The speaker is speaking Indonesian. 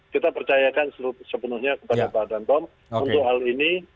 kita percayakan sepenuhnya kepada badan pom untuk hal ini